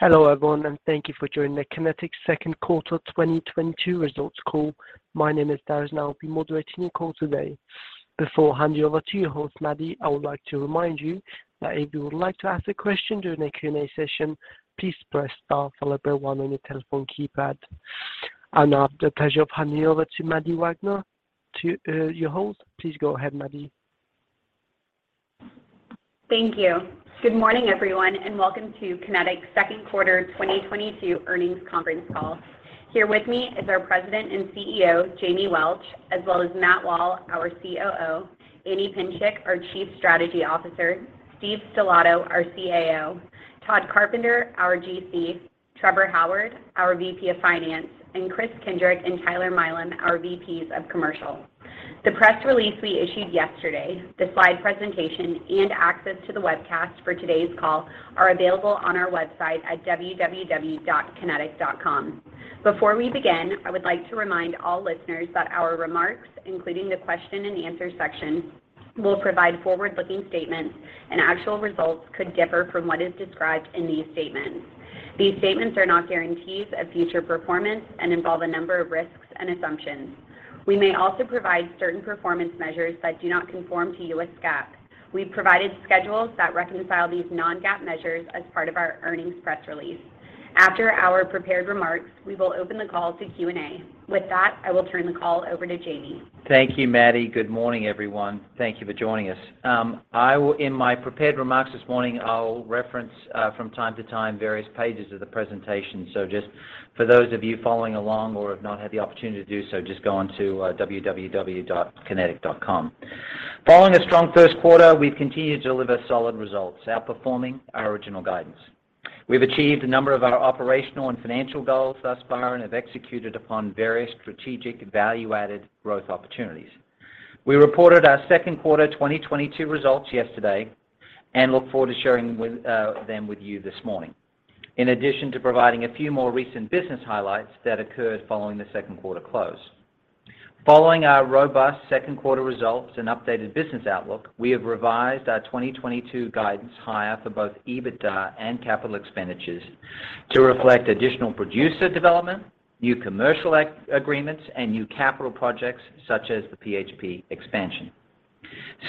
Hello everyone and thank you for joining the Kinetik Q2 2022 results call. My name is Darren, and I'll be moderating your call today. Before handing over to your host, Maddie, I would like to remind you that if you would like to ask a question during the Q&A session, please press star followed by one on your telephone keypad. Now I have the pleasure of handing over to Maddie Wagner to your host. Please go ahead, Maddie. Thank you. Good morning, everyone, and welcome to Kinetik's Q2 2022 earnings conference call. Here with me is our President and CEO, Jamie Welch, as well as Matt Wall, our COO, Anne Psencik, our Chief Strategy Officer, Steve Stellato, our CAO, Todd Carpenter, our GC, Trevor Howard, our VP of Finance, and Kris Kindrick and Tyler Milam, our VPs of Commercial. The press release we issued yesterday, the slide presentation, and access to the webcast for today's call are available on our website at www.kinetik.com. Before we begin, I would like to remind all listeners that our remarks, including the question-and-answer section, will provide forward-looking statements, and actual results could differ from what is described in these statements. These statements are not guarantees of future performance and involve a number of risks and assumptions. We may also provide certain performance measures that do not conform to U.S. GAAP. We've provided schedules that reconcile these non-GAAP measures as part of our earnings press release. After our prepared remarks, we will open the call to Q&A. With that, I will turn the call over to Jamie. Thank you, Maddie. Good morning, everyone. Thank you for joining us. In my prepared remarks this morning, I'll reference from time-to-time various pages of the presentation. So just for those of you following along or have not had the opportunity to do so, just go on to www.kinetik.com. Following a strong Q1, we've continued to deliver solid results, outperforming our original guidance. We've achieved a number of our operational and financial goals thus far and have executed upon various strategic value-added growth opportunities. We reported our Q2 2022 results yesterday and look forward to sharing them with you this morning. In addition to providing a few more recent business highlights that occurred following the Q2 close. Following our robust Q2 results and updated business outlook, we have revised our 2022 guidance higher for both EBITDA and capital expenditures to reflect additional producer development, new commercial agreements, and new capital projects such as the PHP expansion.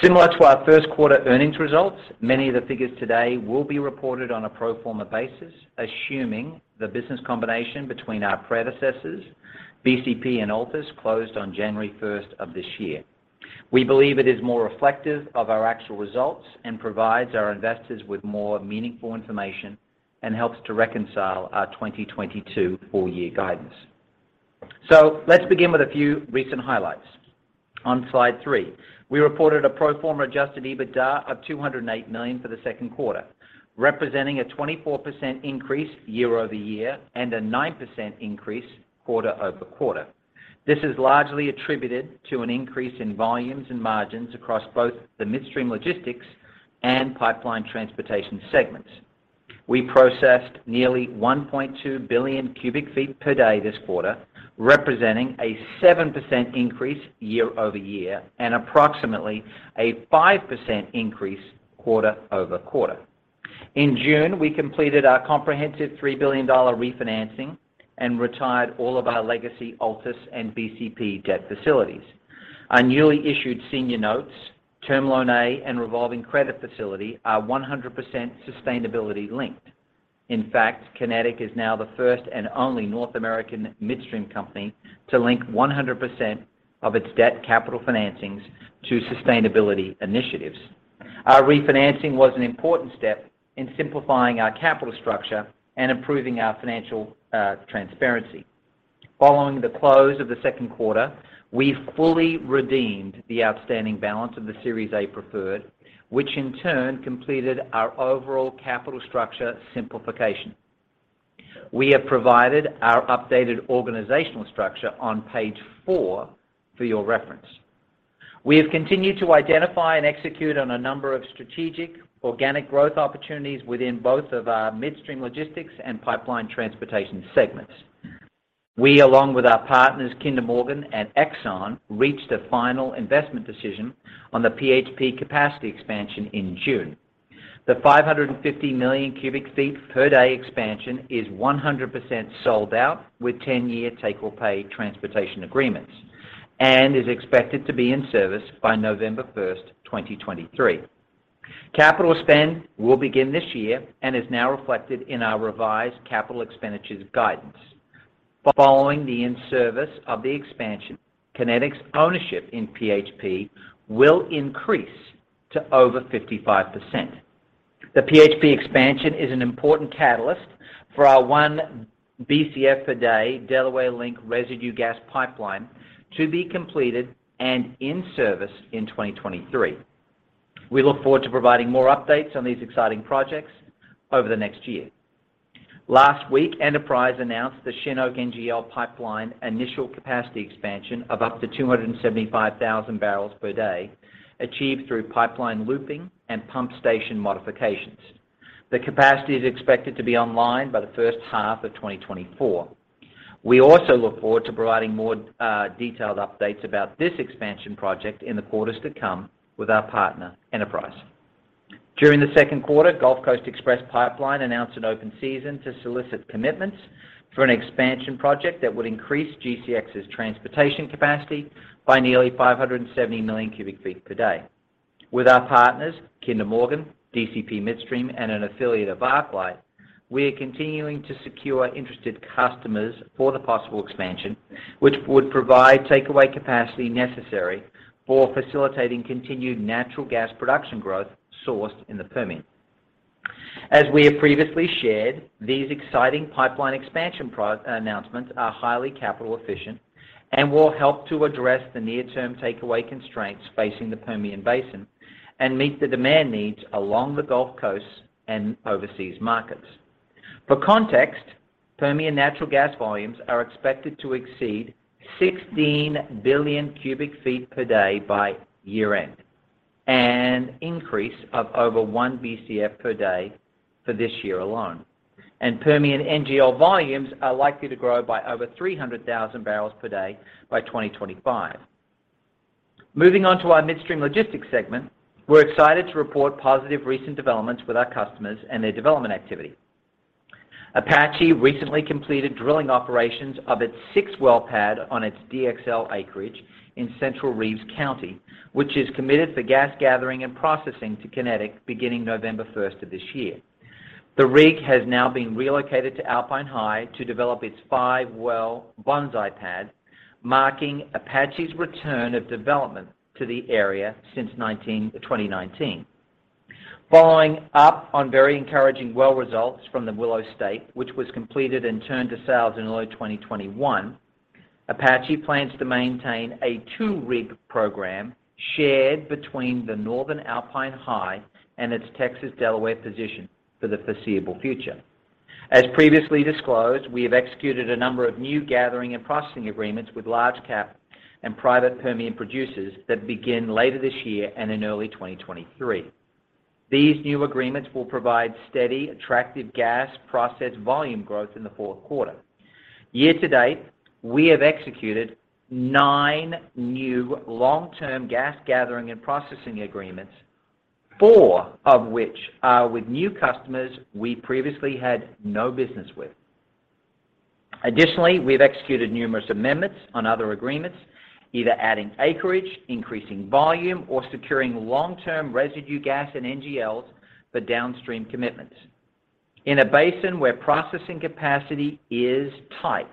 Similar to our Q1 earnings results, many of the figures today will be reported on a pro forma basis, assuming the business combination between our predecessors, BCP and Altus, closed on January 1 of this year. We believe it is more reflective of our actual results and provides our investors with more meaningful information and helps to reconcile our 2022 full year guidance. Let's begin with a few recent highlights. On slide 3, we reported a pro forma adjusted EBITDA of $208 million for the Q2, representing a 24% increase year-over-year and a 9% increase quarter-over-quarter. This is largely attributed to an increase in volumes and margins across both the midstream logistics and pipeline transportation segments. We processed nearly 1.2 billion cubic feet per day this quarter, representing a 7% increase year-over-year and approximately a 5% increase quarter-over-quarter. In June, we completed our comprehensive $3 billion refinancing and retired all of our legacy Altus and BCP debt facilities. Our newly issued senior notes, Term Loan A, and revolving credit facility are 100% sustainability linked. In fact, Kinetik is now the first and only North American midstream company to link 100% of its debt capital financings to sustainability initiatives. Our refinancing was an important step in simplifying our capital structure and improving our financial transparency. Following the close of the Q2, we fully redeemed the outstanding balance of the Series A Preferred, which in turn completed our overall capital structure simplification. We have provided our updated organizational structure on page four for your reference. We have continued to identify and execute on a number of strategic organic growth opportunities within both of our Midstream Logistics and Pipeline Transportation segments. We, along with our partners, Kinder Morgan and ExxonMobil, reached a final investment decision on the PHP capacity expansion in June. The 550 million cubic feet per day expansion is 100% sold out with 10-year take-or-pay transportation agreements and is expected to be in service by November first, 2023. Capital spend will begin this year and is now reflected in our revised capital expenditures guidance. Following the in-service of the expansion, Kinetik's ownership in PHP will increase to over 55%. The PHP expansion is an important catalyst for our 1 BCF per day Delaware Link residue gas pipeline to be completed and in service in 2023. We look forward to providing more updates on these exciting projects over the next year. Last week, Enterprise announced the Shin Oak NGL pipeline initial capacity expansion of up to 275,000 barrels per day, achieved through pipeline looping and pump station modifications. The capacity is expected to be online by the first half of 2024. We also look forward to providing more detailed updates about this expansion project in the quarters to come with our partner, Enterprise. During the Q2, Gulf Coast Express Pipeline announced an open season to solicit commitments for an expansion project that would increase GCX's transportation capacity by nearly 570 million cubic feet per day. With our partners, Kinder Morgan, DCP Midstream, and an affiliate of ArcLight, we are continuing to secure interested customers for the possible expansion, which would provide takeaway capacity necessary for facilitating continued natural gas production growth sourced in the Permian. As we have previously shared, these exciting pipeline expansion announcements are highly capital efficient and will help to address the near-term takeaway constraints facing the Permian Basin and meet the demand needs along the Gulf Coast and overseas markets. For context, Permian natural gas volumes are expected to exceed 16 billion cubic feet per day by year-end, an increase of over one BCF per day for this year alone. Permian NGL volumes are likely to grow by over 300,000 barrels per day by 2025. Moving on to our midstream logistics segment, we're excited to report positive recent developments with our customers and their development activity. Apache recently completed drilling operations of its sixth well pad on its DXL acreage in central Reeves County, which is committed for gas gathering and processing to Kinetik beginning November 1 of this year. The rig has now been relocated to Alpine High to develop its 5-well Bonsai pad, marking Apache's return of development to the area since 2019. Following up on very encouraging well results from the Willow State, which was completed and turned to sales in early 2021, Apache plans to maintain a 2-rig program shared between the northern Alpine High and its Texas Delaware position for the foreseeable future. As previously disclosed, we have executed a number of new gathering and processing agreements with large cap and private Permian producers that begin later this year and in early 2023. These new agreements will provide steady, attractive gas process volume growth in the Q4. Year to date, we have executed 9 new long-term gas gathering and processing agreements, four of which are with new customers we previously had no business with. Additionally, we've executed numerous amendments on other agreements, either adding acreage, increasing volume, or securing long-term residue gas and NGLs for downstream commitments. In a basin where processing capacity is tight,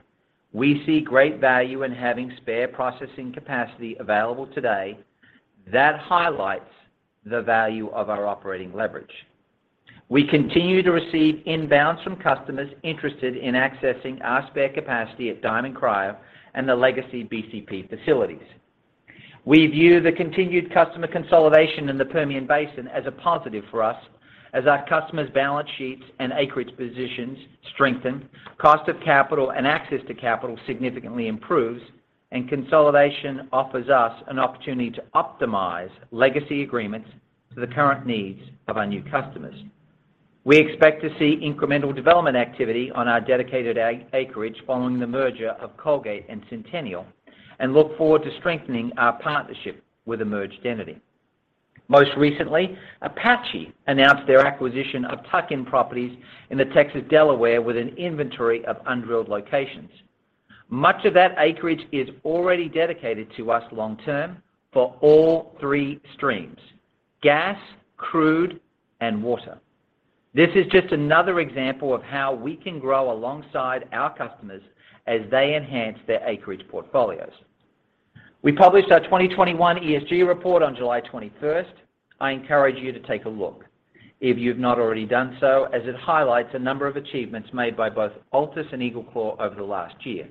we see great value in having spare processing capacity available today that highlights the value of our operating leverage. We continue to receive inbounds from customers interested in accessing our spare capacity at Diamond Cryo and the legacy BCP facilities. We view the continued customer consolidation in the Permian Basin as a positive for us as our customers' balance sheets and acreage positions strengthen, cost of capital and access to capital significantly improves, and consolidation offers us an opportunity to optimize legacy agreements to the current needs of our new customers. We expect to see incremental development activity on our dedicated acreage following the merger of Colgate and Centennial and look forward to strengthening our partnership with the merged entity. Most recently, Apache announced their acquisition of tuck-in properties in the Texas Delaware with an inventory of undrilled locations. Much of that acreage is already dedicated to us long term for all three streams: gas, crude, and water. This is just another example of how we can grow alongside our customers as they enhance their acreage portfolios. We published our 2021 ESG report on July 21. I encourage you to take a look if you've not already done so, as it highlights a number of achievements made by both Altus and EagleClaw over the last year.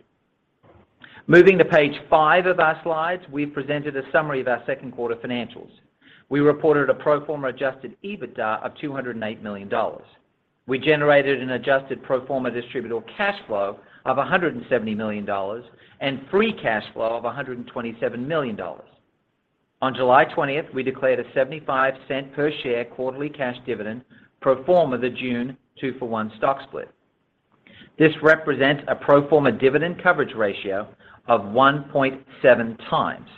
Moving to page five of our slides, we presented a summary of our Q2 financials. We reported a pro forma adjusted EBITDA of $208 million. We generated an adjusted pro forma distributable cash flow of $170 million and free cash flow of $127 million. On July twentieth, we declared a 75-cent per share quarterly cash dividend pro forma the June two-for-one stock split. This represents a pro forma dividend coverage ratio of 1.7 times.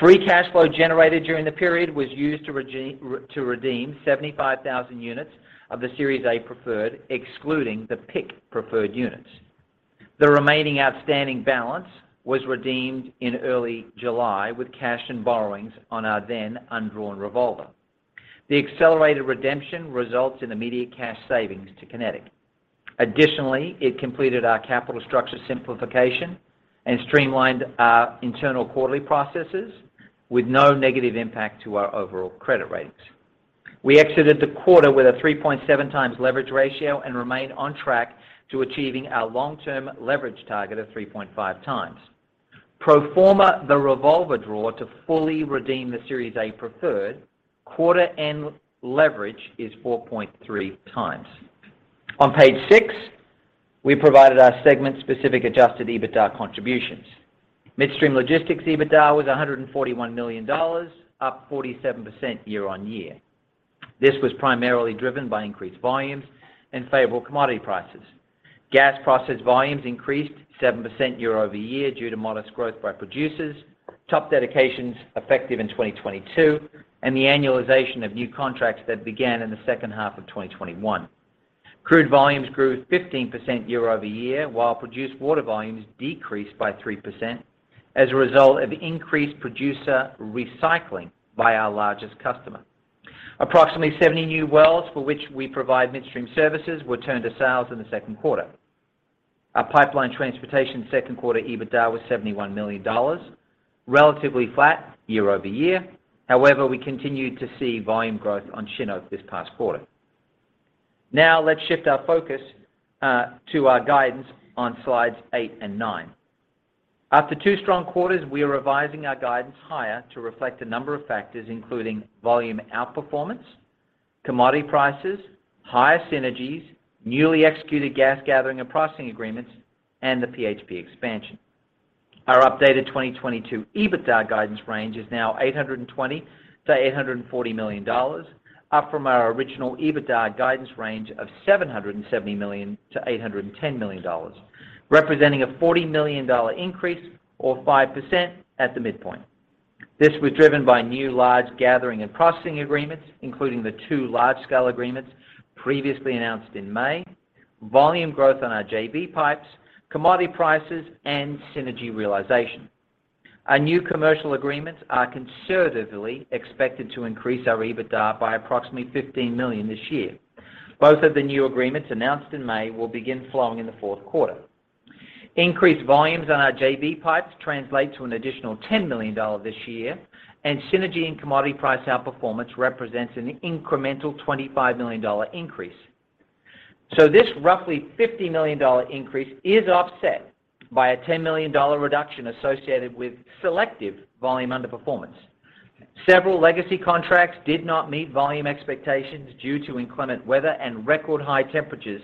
Free cash flow generated during the period was used to redeem 75,000 units of the Series A Preferred, excluding the PIK preferred units. The remaining outstanding balance was redeemed in early July with cash and borrowings on our then undrawn revolver. The accelerated redemption results in immediate cash savings to Kinetik. Additionally, it completed our capital structure simplification and streamlined our internal quarterly processes with no negative impact to our overall credit ratings. We exited the quarter with a 3.7 times leverage ratio and remain on track to achieving our long-term leverage target of 3.5 times. Pro forma the revolver draw to fully redeem the Series A Preferred quarter end leverage is 4.3 times. On page six, we provided our segment-specific adjusted EBITDA contributions. Midstream Logistics EBITDA was $141 million, up 47% year-on-year. This was primarily driven by increased volumes and favorable commodity prices. Gas process volumes increased 7% year-over-year due to modest growth by producers, top dedications effective in 2022, and the annualization of new contracts that began in the second half of 2021. Crude volumes grew 15% year-over-year, while produced water volumes decreased by 3% as a result of increased producer recycling by our largest customer. Approximately 70 new wells for which we provide midstream services were turned to sales in the Q2. Our pipeline transportation Q2 EBITDA was $71 million, relatively flat year-over-year. However, we continued to see volume growth on Shin Oak this past quarter. Now let's shift our focus to our guidance on slides 8 and 9. After two strong quarters, we are revising our guidance higher to reflect a number of factors, including volume outperformance, commodity prices, higher synergies, newly executed gas gathering and processing agreements, and the PHP expansion. Our updated 2022 EBITDA guidance range is now $820 to 840 million, up from our original EBITDA guidance range of $770 to 810 million, representing a $40 million increase or 5% at the midpoint. This was driven by new large gathering and processing agreements, including the two large-scale agreements previously announced in May, volume growth on our JV pipes, commodity prices and synergy realization. Our new commercial agreements are conservatively expected to increase our EBITDA by approximately $15 million this year. Both of the new agreements announced in May will begin flowing in the Q4. Increased volumes on our JV pipes translate to an additional $10 million this year, and synergy and commodity price outperformance represents an incremental $25 million increase. This roughly $50 million increase is offset by a $10 million reduction associated with selective volume underperformance. Several legacy contracts did not meet volume expectations due to inclement weather and record high temperatures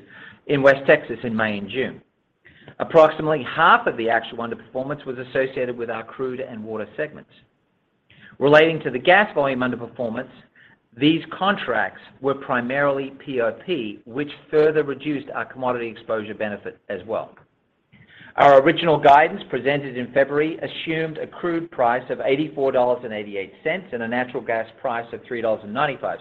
in West Texas in May and June. Approximately half of the actual underperformance was associated with our crude and water segments. Relating to the gas volume underperformance, these contracts were primarily POP, which further reduced our commodity exposure benefit as well. Our original guidance presented in February assumed a crude price of $84.88, and a natural gas price of $3.95.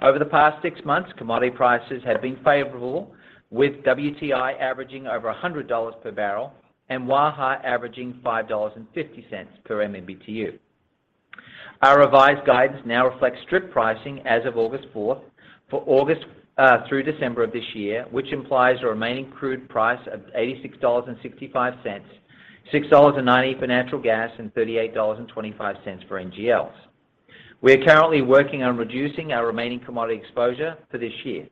Over the past six months, commodity prices have been favorable, with WTI averaging over $100 per barrel and Waha averaging $5.50 per MMBTU. Our revised guidance now reflects strip pricing as of August 4 for August through December of this year, which implies a remaining crude price of $86.65, $6.90 for natural gas, and $38.25 for NGLs. We are currently working on reducing our remaining commodity exposure for this year.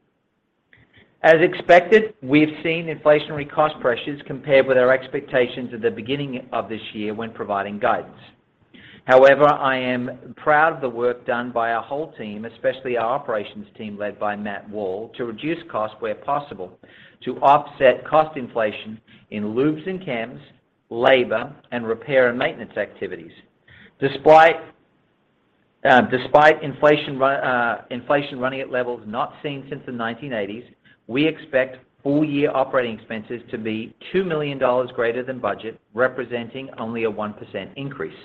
As expected, we have seen inflationary cost pressures compared with our expectations at the beginning of this year when providing guidance. However, I am proud of the work done by our whole team, especially our operations team led by Matt Wall, to reduce costs where possible to offset cost inflation in loops and cams, labor, and repair and maintenance activities. Despite inflation running at levels not seen since the 1980s, we expect full-year operating expenses to be $2 million greater than budget, representing only a 1% increase.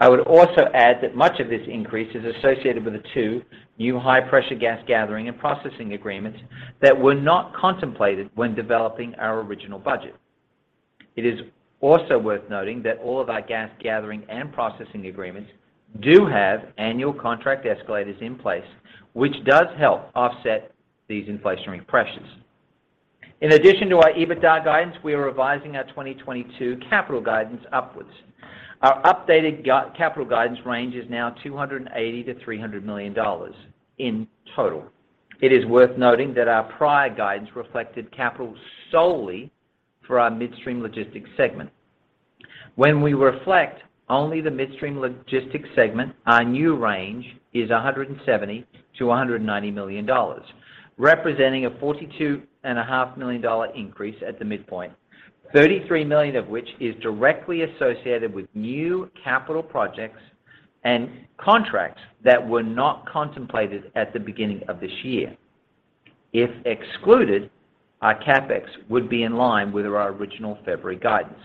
I would also add that much of this increase is associated with the two new high-pressure gas gathering and processing agreements that were not contemplated when developing our original budget. It is also worth noting that all of our gas gathering and processing agreements do have annual contract escalators in place, which does help offset these inflationary pressures. In addition to our EBITDA guidance, we are revising our 2022 capital guidance upwards. Our updated capital guidance range is now $280 to 300 million in total. It is worth noting that our prior guidance reflected capital solely for our midstream logistics segment. When we reflect only the midstream logistics segment, our new range is $170 to 190 million, representing a $42.5 million increase at the midpoint, $33 million of which is directly associated with new capital projects and contracts that were not contemplated at the beginning of this year. If excluded, our CapEx would be in line with our original February guidance.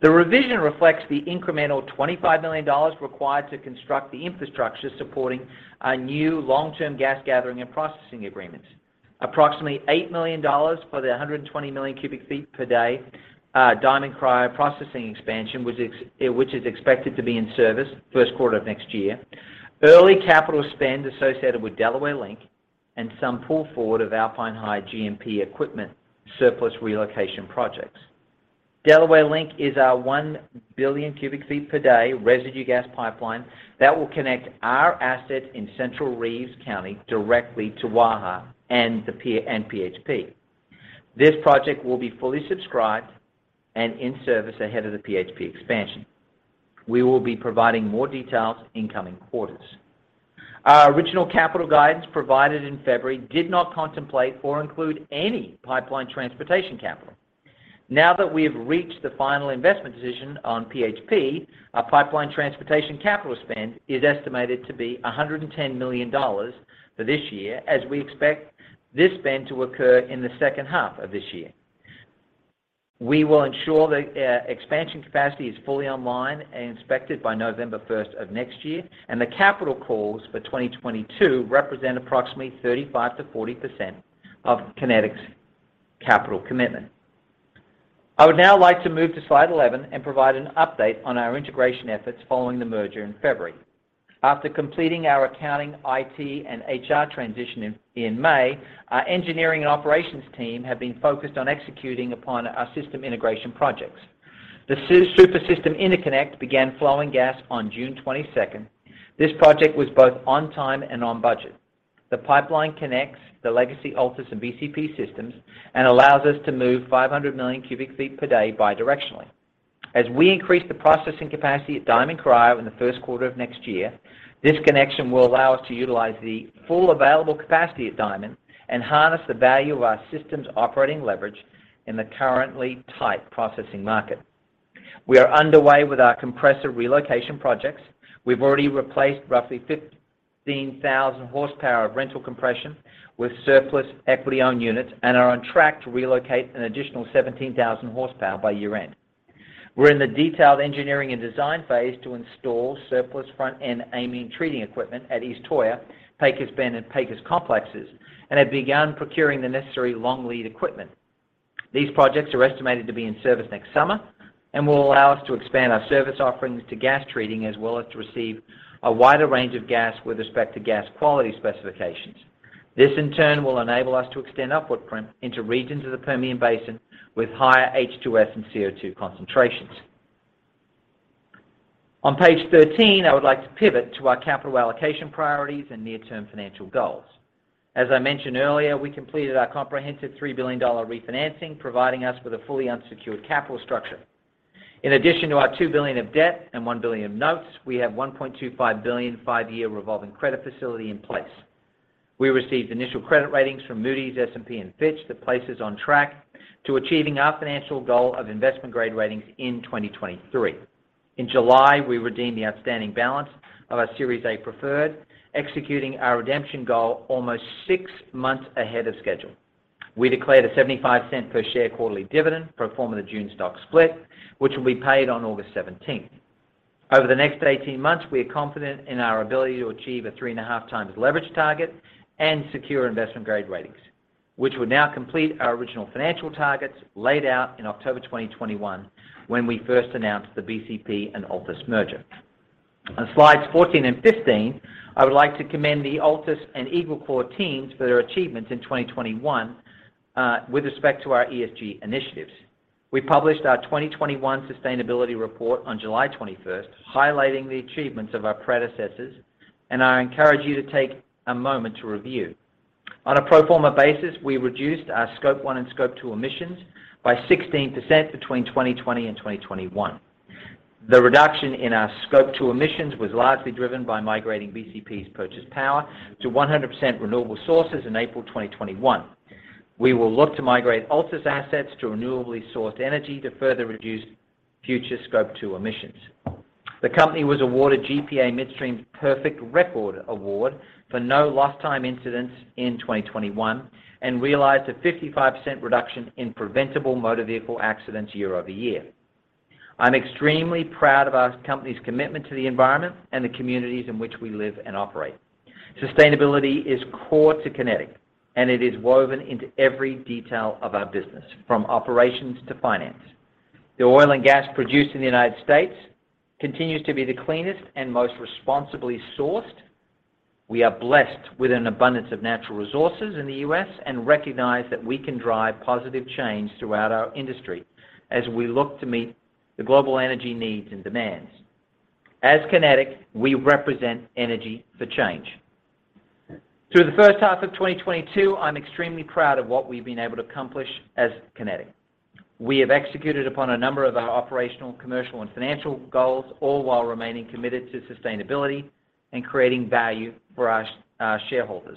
The revision reflects the incremental $25 million required to construct the infrastructure supporting our new long-term gas gathering and processing agreements. Approximately $8 million for the 120 million cubic feet per day Diamond Cryo processing expansion, which is expected to be in service Q1 of next year. Early capital spend associated with Delaware Link and some pull forward of Alpine High GMP equipment surplus relocation projects. Delaware Link is our 1 billion cubic feet per day residue gas pipeline that will connect our asset in Central Reeves County directly to Waha and the P- and PHP. This project will be fully subscribed and in service ahead of the PHP expansion. We will be providing more details in coming quarters. Our original capital guidance provided in February did not contemplate or include any pipeline transportation capital. Now that we have reached the final investment decision on PHP, our pipeline transportation capital spend is estimated to be $110 million for this year, as we expect this spend to occur in the second half of this year. We will ensure that expansion capacity is fully online and inspected by November first of next year, and the capital calls for 2022 represent approximately 35 to 40% of Kinetik's capital commitment. I would now like to move to slide 11 and provide an update on our integration efforts following the merger in February. After completing our accounting, IT, and HR transition in May, our engineering and operations team have been focused on executing upon our system integration projects. The Super-System Interconnect began flowing gas on June 22. This project was both on time and on budget. The pipeline connects the legacy Altus and BCP systems and allows us to move 500 million cubic feet per day bidirectionally. As we increase the processing capacity at Diamond Cryo in the Q1 of next year, this connection will allow us to utilize the full available capacity at Diamond and harness the value of our systems operating leverage in the currently tight processing market. We are underway with our compressor relocation projects. We've already replaced roughly 15,000 horsepower of rental compression with surplus equity-owned units and are on track to relocate an additional 17,000 horsepower by year-end. We're in the detailed engineering and design phase to install surplus front-end amine treating equipment at East Toyah, Pecos Bend, and Pecos complexes and have begun procuring the necessary long lead equipment. These projects are estimated to be in service next summer and will allow us to expand our service offerings to gas treating as well as to receive a wider range of gas with respect to gas quality specifications. This, in turn, will enable us to extend our footprint into regions of the Permian Basin with higher H2S and CO2 concentrations. On page 13, I would like to pivot to our capital allocation priorities and near-term financial goals. As I mentioned earlier, we completed our comprehensive $3 billion refinancing, providing us with a fully unsecured capital structure. In addition to our $2 billion of debt and $1 billion of notes, we have $1.25 billion 5-year revolving credit facility in place. We received initial credit ratings from Moody's, S&P, and Fitch that puts us on track to achieving our financial goal of investment-grade ratings in 2023. In July, we redeemed the outstanding balance of our Series A Preferred, executing our redemption goal almost six months ahead of schedule. We declared a $0.75 per share quarterly dividend pro forma the June stock split, which will be paid on August seventeenth. Over the next 18 months, we are confident in our ability to achieve a 3.5x leverage target and secure investment-grade ratings, which will now complete our original financial targets laid out in October 2021 when we first announced the BCP and Altus merger. On slides 14 and 15, I would like to commend the Altus and EagleClaw teams for their achievements in 2021 with respect to our ESG initiatives. We published our 2021 sustainability report on July 21st, highlighting the achievements of our predecessors, and I encourage you to take a moment to review. On a pro forma basis, we reduced our Scope One and Scope Two emissions by 16% between 2020 and 2021. The reduction in our Scope Two emissions was largely driven by migrating BCP's purchased power to 100% renewable sources in April 2021. We will look to migrate Altus assets to renewably sourced energy to further reduce future Scope 2 emissions. The company was awarded GPA Midstream's Perfect Record Award for no lost time incidents in 2021 and realized a 55% reduction in preventable motor vehicle accidents year-over-year. I'm extremely proud of our company's commitment to the environment and the communities in which we live and operate. Sustainability is core to Kinetik, and it is woven into every detail of our business, from operations to finance. The oil and gas produced in the United States continues to be the cleanest and most responsibly sourced. We are blessed with an abundance of natural resources in the U.S. and recognize that we can drive positive change throughout our industry as we look to meet the global energy needs and demands. As Kinetik, we represent energy for change. Through the first half of 2022, I'm extremely proud of what we've been able to accomplish as Kinetik. We have executed upon a number of our operational, commercial, and financial goals, all while remaining committed to sustainability and creating value for our shareholders.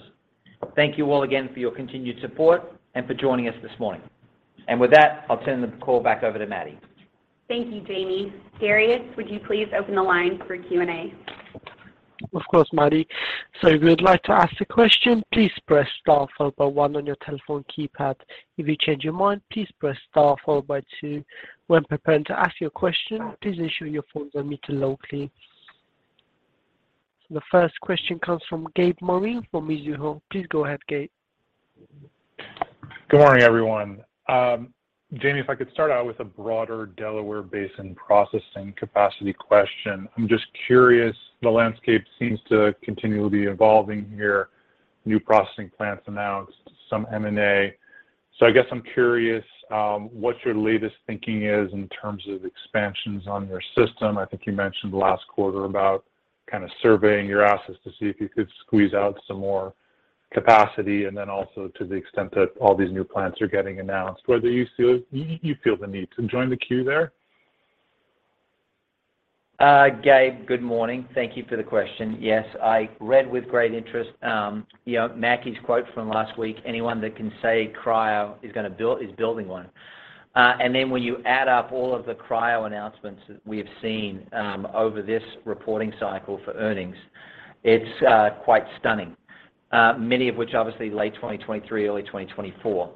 Thank you all again for your continued support and for joining us this morning. With that, I'll turn the call back over to Maddie. Thank you, Jamie. Darius, would you please open the line for Q&A? Of course, Maddie. If you would like to ask a question, please press star followed by one on your telephone keypad. If you change your mind, please press star followed by two. When preparing to ask your question, please ensure your phones on mute locally. The first question comes from Gabe Moreen from Mizuho. Please go ahead, Gabe. Good morning, everyone. Jamie, if I could start out with a broader Delaware Basin processing capacity question. I'm just curious, the landscape seems to continually be evolving here, new processing plants announced, some M&A. I guess I'm curious, what your latest thinking is in terms of expansions on your system. I think you mentioned last quarter about kind of surveying your assets to see if you could squeeze out some more capacity, and then also to the extent that all these new plants are getting announced, whether you feel the need to join the queue there? Gabe, good morning. Thank you for the question. Yes, I read with great interest, you know, Mackey's quote from last week. "Anyone that can say cryo is building one." And then when you add up all of the cryo announcements that we have seen over this reporting cycle for earnings, it's quite stunning, many of which obviously late 2023, early 2024.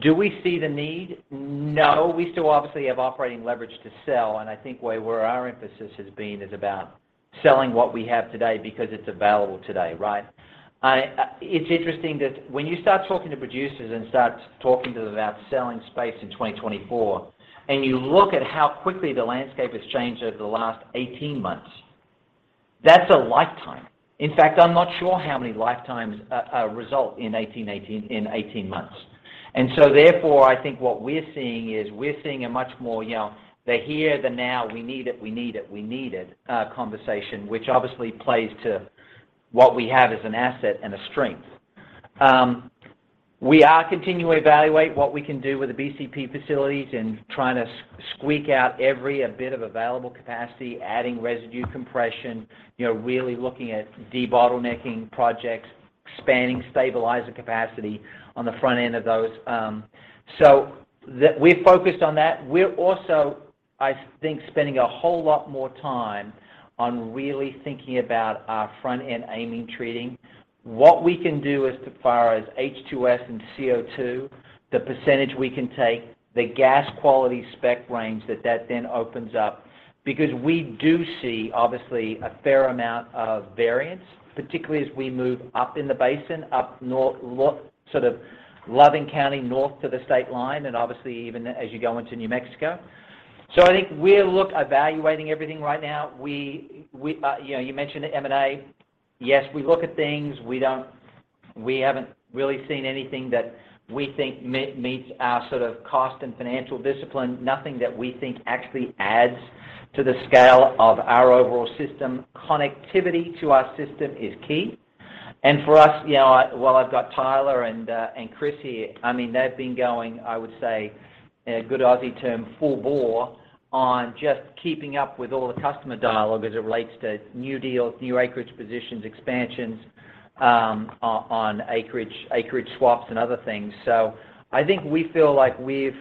Do we see the need? No. We still obviously have operating leverage to sell, and I think where our emphasis has been is about selling what we have today because it's available today, right? It's interesting that when you start talking to producers and start talking to them about selling space in 2024, and you look at how quickly the landscape has changed over the last 18 months, that's a lifetime. In fact, I'm not sure how many lifetimes result in 18 months. Therefore, I think what we're seeing is a much more, you know, the here, the now, we need it conversation, which obviously plays to what we have as an asset and a strength. We are continuing to evaluate what we can do with the BCP facilities and trying to squeak out every bit of available capacity, adding residue compression, you know, really looking at debottlenecking projects, expanding stabilizer capacity on the front end of those. We're focused on that. We're also, I think, spending a whole lot more time on really thinking about our front-end amine treating. What we can do as far as H2S and CO2, the percentage we can take, the gas quality spec range that then opens up because we do see obviously a fair amount of variance, particularly as we move up in the basin, up north, lo-sort of Loving County north to the state line and obviously even as you go into New Mexico. I think we'll look evaluating everything right now. You know, you mentioned the M&A. Yes, we look at things. We haven't really seen anything that we think meets our sort of cost and financial discipline, nothing that we think actually adds to the scale of our overall system. Connectivity to our system is key. For us, you know, while I've got Tyler and Kris here, I mean, they've been going, I would say, in a good Aussie term, full bore on just keeping up with all the customer dialogue as it relates to new deals, new acreage positions, expansions, on acreage swaps and other things. I think we feel like we're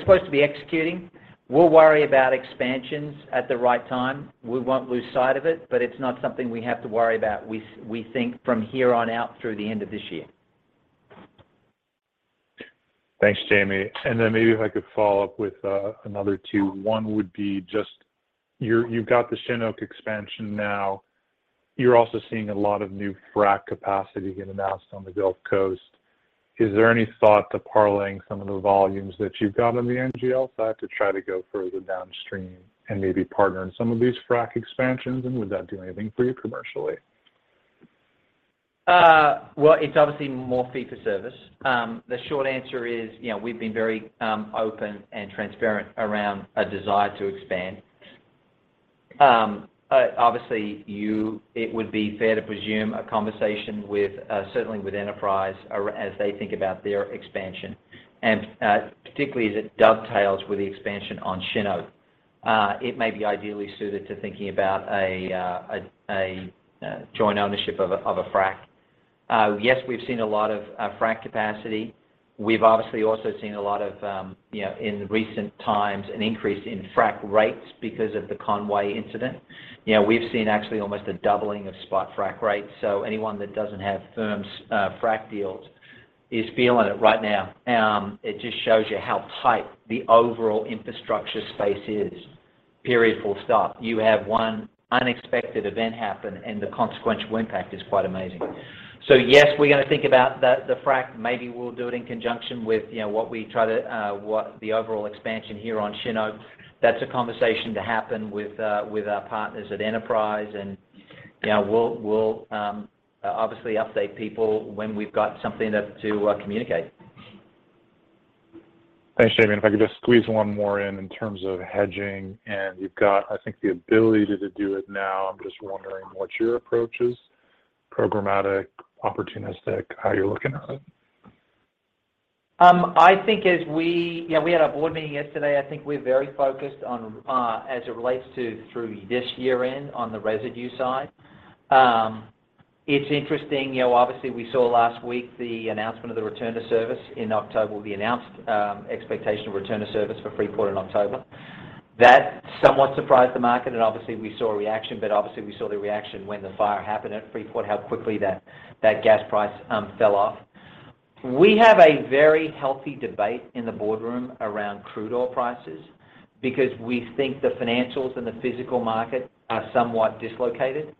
supposed to be executing. We'll worry about expansions at the right time. We won't lose sight of it, but it's not something we have to worry about, we think from here on out through the end of this year. Thanks, Jamie. Maybe if I could follow up with another two. One would be just you've got the Chinook expansion now. You're also seeing a lot of new frack capacity getting announced on the Gulf Coast. Is there any thought to parlaying some of the volumes that you've got on the NGL side to try to go further downstream and maybe partner in some of these frack expansions? Would that do anything for you commercially? Well, it's obviously more fee for service. The short answer is, you know, we've been very open and transparent around a desire to expand. Obviously, it would be fair to presume a conversation with certainly with Enterprise as they think about their expansion, and particularly as it dovetails with the expansion on Chinook. It may be ideally suited to thinking about a joint ownership of a frac. Yes, we've seen a lot of frac capacity. We've obviously also seen a lot of, you know, in the recent times an increase in frac rates because of the Conway incident. You know, we've seen actually almost a doubling of spot frac rates. Anyone that doesn't have firm frac deals is feeling it right now. It just shows you how tight the overall infrastructure space is, period, full stop. You have one unexpected event happen, and the consequential impact is quite amazing. Yes, we're gonna think about the frack. Maybe we'll do it in conjunction with, you know, what the overall expansion here on Chinook. That's a conversation to happen with our partners at Enterprise. You know, we'll obviously update people when we've got something to communicate. Thanks, Jamie. If I could just squeeze one more in terms of hedging. You've got, I think, the ability to do it now. I'm just wondering what your approach is, programmatic, opportunistic, how you're looking at it. I think you know, we had our board meeting yesterday. I think we're very focused on as it relates to through this year-end on the residue side. It's interesting. You know, obviously we saw last week the announcement of the return to service in October, the announced expectation of return of service for Freeport in October. That somewhat surprised the market, and obviously we saw a reaction, but obviously we saw the reaction when the fire happened at Freeport, how quickly that gas price fell off. We have a very healthy debate in the boardroom around crude oil prices because we think the financials and the physical market are somewhat dislocated.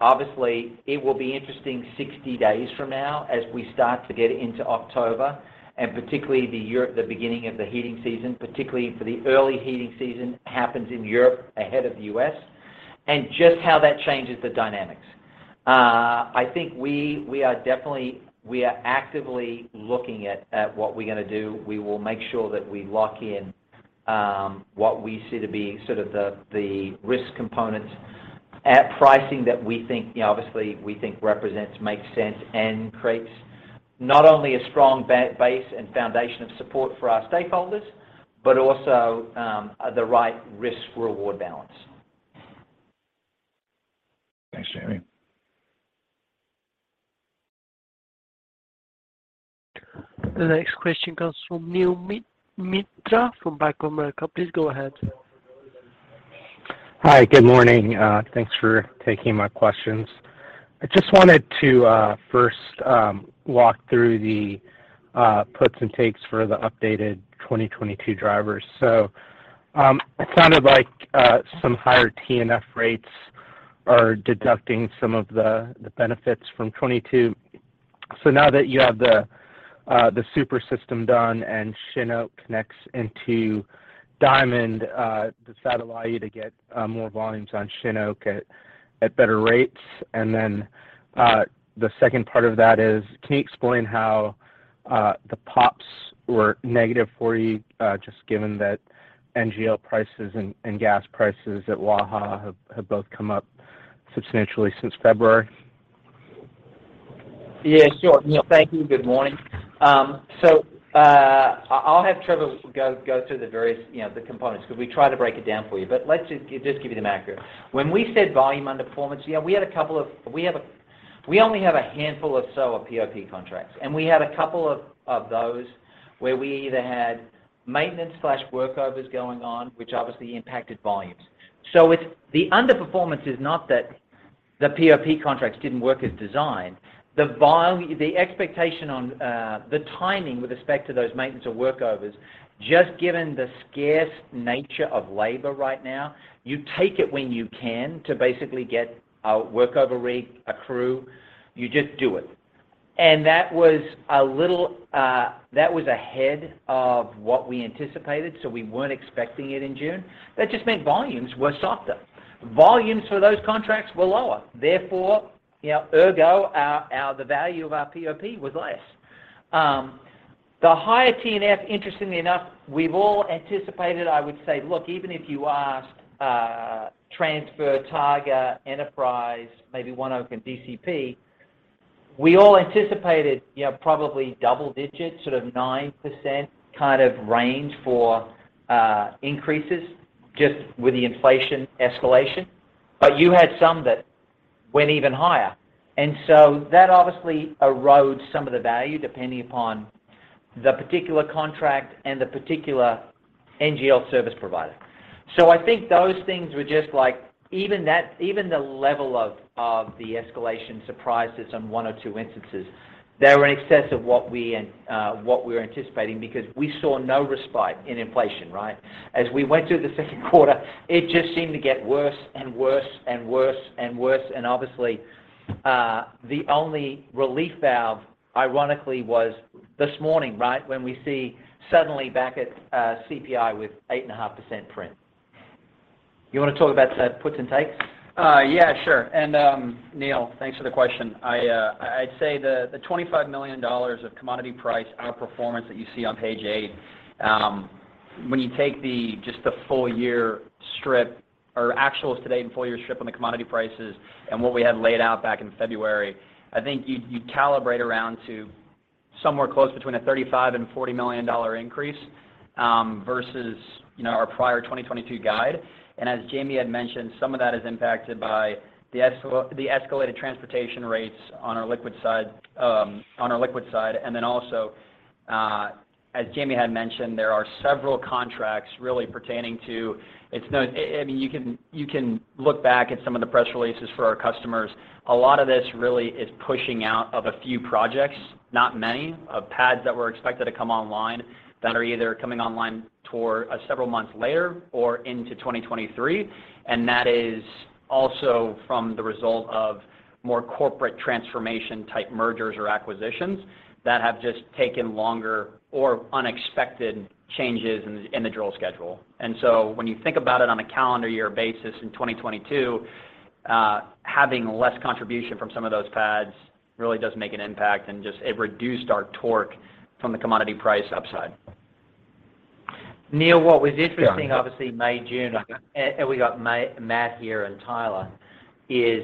Obviously, it will be interesting 60 days from now as we start to get into October, and particularly in Europe, the beginning of the heating season, particularly for the early heating season happens in Europe ahead of the US, and just how that changes the dynamics. I think we are definitely, we are actively looking at what we're gonna do. We will make sure that we lock in what we see to be sort of the risk components at pricing that we think, you know, obviously we think represents, makes sense, and creates not only a strong base and foundation of support for our stakeholders, but also the right risk-reward balance. Thanks, Jamie. The next question comes from Neil Mehta from Goldman Sachs. Please go ahead. Hi, good morning. Thanks for taking my questions. I just wanted to first walk through the puts and takes for the updated 2022 drivers. It sounded like some higher T&F rates are deducting some of the benefits from 2022. Now that you have the Super-System done and Chinook connects into Diamond, does that allow you to get more volumes on Chinook at better rates? The second part of that is, can you explain how the POPs were -$0.40 just given that NGL prices and gas prices at Waha have both come up substantially since February? Yeah, sure. Neil, thank you. Good morning. I'll have Trevor go through the various, you know, the components because we try to break it down for you. Let's just give you the macro. When we said volume underperformance, you know, we only have a handful or so of POP contracts. We had a couple of those where we either had maintenance or workovers going on, which obviously impacted volumes. The underperformance is not that the POP contracts didn't work as designed. The expectation on the timing with respect to those maintenance or workovers, just given the scarce nature of labor right now, you take it when you can to basically get a workover rig, a crew, you just do it. That was a little. That was ahead of what we anticipated, so we weren't expecting it in June. That just meant volumes were softer. Volumes for those contracts were lower. Therefore, you know, ergo, the value of our POP was less. The higher T&F, interestingly enough, we've all anticipated, I would say, look, even if you ask Energy Transfer, Targa, Enterprise, maybe ONEOK and DCP, we all anticipated, you know, probably double digits, sort of 9% kind of range for increases just with the inflation escalation. You had some that went even higher. That obviously erodes some of the value depending upon the particular contract and the particular NGL service provider. I think those things were just like even that, even the level of the escalation surprises on one or two instances, they were in excess of what we were anticipating because we saw no respite in inflation, right? As we went through the Q2, it just seemed to get worse and worse and worse and worse, and obviously, the only relief valve ironically was this morning, right? When we see suddenly back at CPI with 8.5% print. You wanna talk about the puts and takes? Yeah, sure. Neil, thanks for the question. I'd say the $25 million of commodity price outperformance that you see on page 8, when you take just the full year strip or actuals to date and full year strip on the commodity prices and what we had laid out back in February, I think you'd calibrate around to somewhere close between a $35 to 40 million increase, versus, you know, our prior 2022 guide. As Jamie had mentioned, some of that is impacted by the escalated transportation rates on our liquid side, on our liquid side. Then also, as Jamie had mentioned, there are several contracts really pertaining to. I mean, you can look back at some of the press releases for our customers. A lot of this really is pushing out of a few projects, not many, of pads that were expected to come online that are either coming online toward, several months later or into 2023. That is also from the result of more corporate transformation type mergers or acquisitions that have just taken longer or unexpected changes in the drill schedule. When you think about it on a calendar year basis in 2022, having less contribution from some of those pads really does make an impact. Just it reduced our torque from the commodity price upside. Neil, what was interesting obviously May, June, and we got Matt here and Tyler, is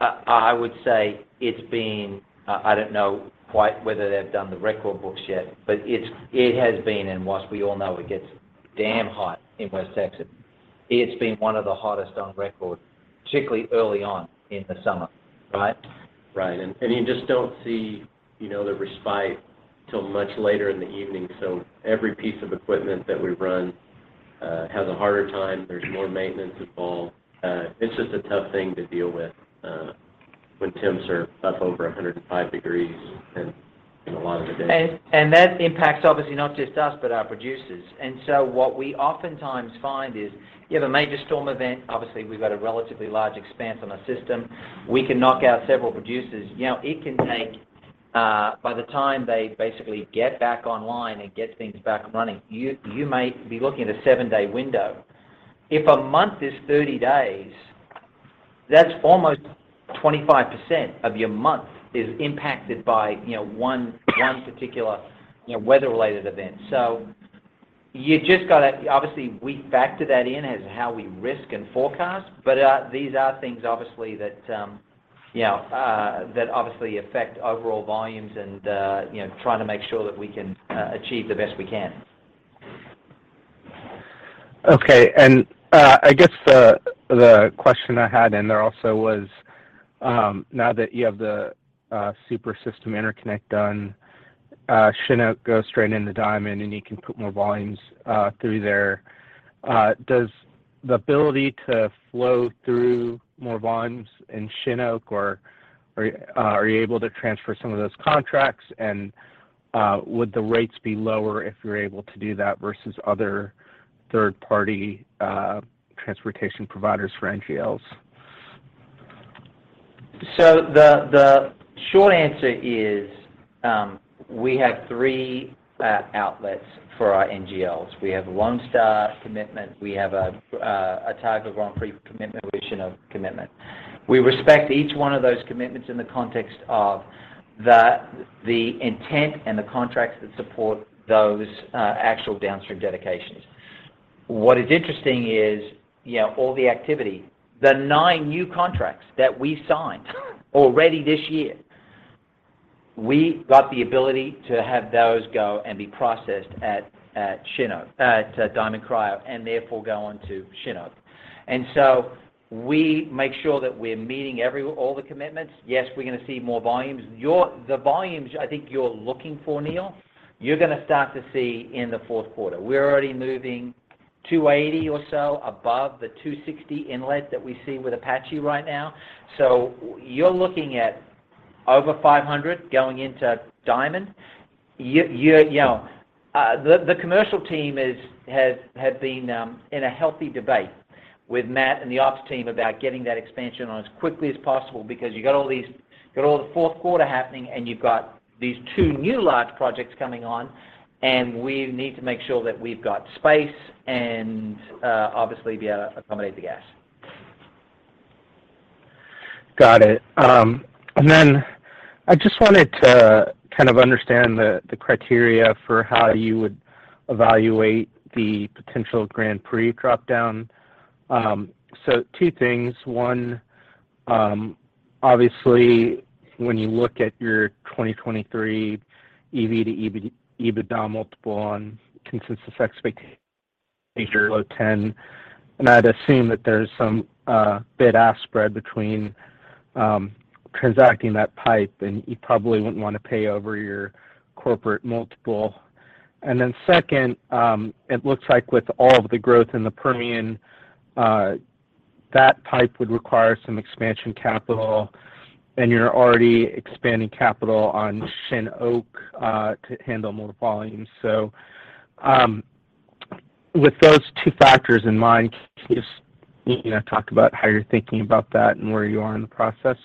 I would say it's been, I don't know quite whether they've done the record books yet, but it has been, and whilst we all know it gets damn hot in West Texas, it's been one of the hottest on record, particularly early on in the summer, right? Right. You just don't see, you know, the respite till much later in the evening. Every piece of equipment that we run has a harder time. There's more maintenance involved. It's just a tough thing to deal with when temps are up over 105 degrees in a lot of the days. That impacts obviously not just us, but our producers. What we oftentimes find is you have a major storm event. Obviously, we've got a relatively large expanse on our system. We can knock out several producers. It can take, by the time they basically get back online and get things back running, you may be looking at a seven-day window. If a month is 30 days, that's almost 25% of your month is impacted by one particular weather-related event. You just got to obviously factor that in as how we risk and forecast, but these are things obviously that obviously affect overall volumes and trying to make sure that we can achieve the best we can. Okay. I guess the question I had in there also was, now that you have the Super-System Interconnect done, Chinook goes straight into Diamond, and you can put more volumes through there. Does the ability to flow through more volumes in Chinook or are you able to transfer some of those contracts, and would the rates be lower if you're able to do that versus other third-party transportation providers for NGLs? The short answer is, we have three outlets for our NGLs. We have a Lone Star commitment, we have a Targa Grand Prix commitment, we have a Shin Oak commitment. We respect each one of those commitments in the context of the intent and the contracts that support those actual downstream dedications. What is interesting is, you know, all the activity, the 9 new contracts that we signed already this year, we got the ability to have those go and be processed at Diamond Cryo, and therefore go on to Shin Oak. We make sure that we're meeting all the commitments. Yes, we're gonna see more volumes. The volumes I think you're looking for, Neil, you're gonna start to see in the Q4. We're already moving 280 or so above the 260 inlet that we see with Apache right now. You're looking at over 500 going into Diamond. You know, the commercial team has been in a healthy debate with Matt and the ops team about getting that expansion on as quickly as possible because you got all these, you got all the Q4 happening, and you've got these two new large projects coming on, and we need to make sure that we've got space and obviously be able to accommodate the gas. Got it. I just wanted to kind of understand the criteria for how you would evaluate the potential Grand Prix dropdown. Two things. One, obviously, when you look at your 2023 EV to EBITDA multiple on consensus expectations below 10, and I'd assume that there's some bid-ask spread between transacting that pipe, and you probably wouldn't wanna pay over your corporate multiple. Second, it looks like with all of the growth in the Permian, that pipe would require some expansion capital, and you're already expanding capital on Shin Oak to handle more volumes. With those two factors in mind, can you just, you know, talk about how you're thinking about that and where you are in the process?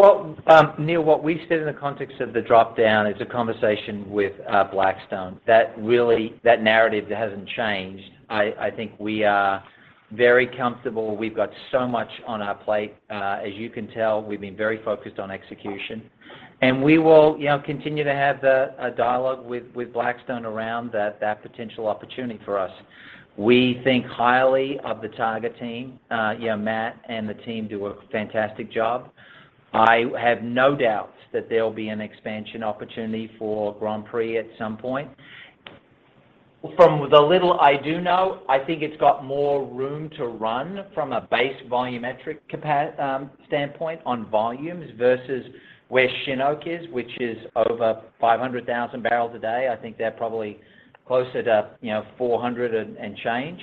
Well, Neil, what we said in the context of the dropdown is a conversation with Blackstone. That narrative hasn't changed. I think we are very comfortable. We've got so much on our plate. As you can tell, we've been very focused on execution. We will, you know, continue to have a dialogue with Blackstone around that potential opportunity for us. We think highly of the Targa team. You know, Matt and the team do a fantastic job. I have no doubts that there'll be an expansion opportunity for Grand Prix at some point. From the little I do know, I think it's got more room to run from a base volumetric capacity standpoint on volumes versus where Shin Oak is, which is over 500,000 barrels a day. I think they're probably closer to, you know, 400 and change.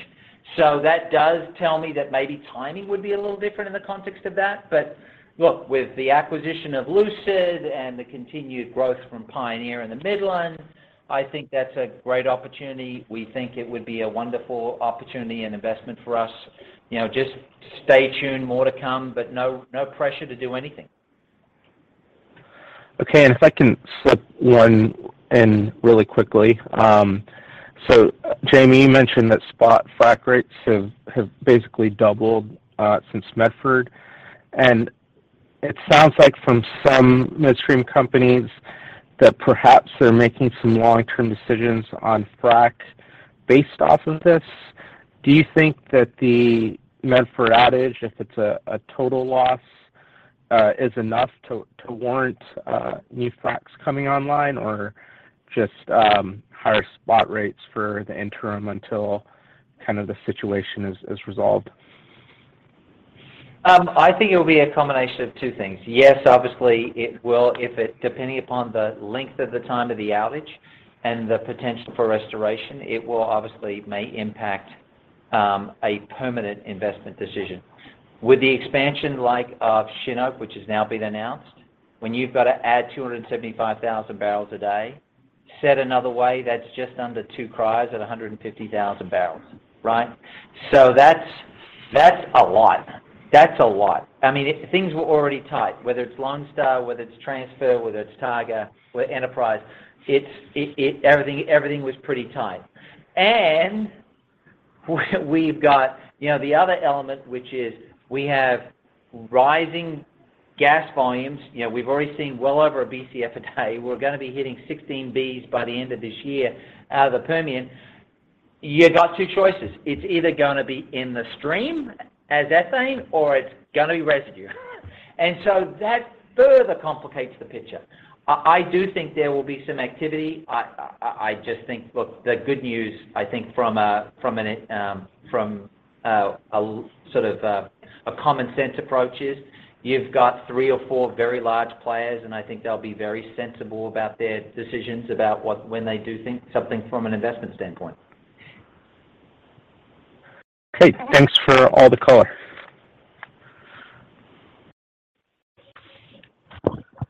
That does tell me that maybe timing would be a little different in the context of that. Look, with the acquisition of Lucid and the continued growth from Pioneer in the Midland, I think that's a great opportunity. We think it would be a wonderful opportunity and investment for us. You know, just stay tuned, more to come, but no pressure to do anything. Okay. If I can slip one in really quickly. Jamie mentioned that spot frac rates have basically doubled since Medford. It sounds like from some midstream companies that perhaps they're making some long-term decisions on fracs based off of this. Do you think that the Medford outage, if it's a total loss, is enough to warrant new fracs coming online or just higher spot rates for the interim until kind of the situation is resolved? I think it'll be a combination of two things. Yes, obviously, it will, depending upon the length of the time of the outage and the potential for restoration, it will obviously may impact a permanent investment decision. With the expansion like of Chinook, which has now been announced, when you've got to add 275,000 barrels a day, said another way, that's just under two cryos at 150,000 barrels, right? So that's a lot. That's a lot. I mean, things were already tight, whether it's Lone Star, whether it's Energy Transfer, whether it's Targa, whether Enterprise. It everything was pretty tight. We've got, you know, the other element, which is we have rising gas volumes. You know, we've already seen well over a Bcf a day. We're gonna be hitting 16 Bs by the end of this year out of the Permian. You got two choices. It's either gonna be in the stream as ethane or it's gonna be residue. That further complicates the picture. I do think there will be some activity. I just think, look, the good news, I think from a sort of a commonsense approach is you've got three or four very large players, and I think they'll be very sensible about their decisions about what, when they do things something from an investment standpoint. Great. Thanks for all the color.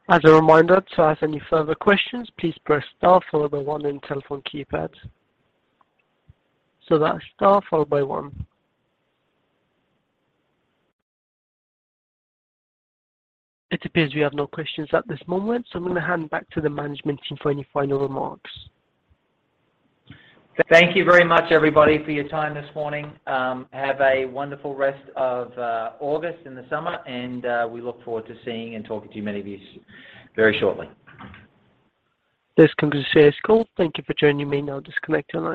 As a reminder, to ask any further questions, please press star followed by one in telephone keypads. That's star followed by one. It appears we have no questions at this moment, so I'm gonna hand back to the management team for any final remarks. Thank you very much, everybody, for your time this morning. Have a wonderful rest of August and the summer, and we look forward to seeing and talking to many of you very shortly. This concludes today's call. Thank you for joining me. Now disconnect your lines.